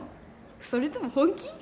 それとも本気？